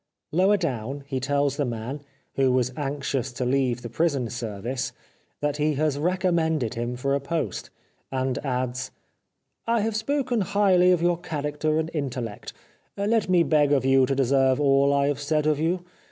Lower down he tells the man — who was anxious to leave the prison service, that he has recommended him for a post, and adds :" I have spoken highly of your character and intellect. Let me beg of you to deserve all I have said of you.